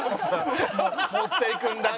持っていくんだね。